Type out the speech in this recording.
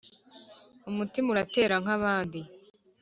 umutima uratera nk'abandi